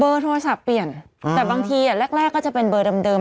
โทรศัพท์เปลี่ยนแต่บางทีแรกก็จะเป็นเบอร์เดิม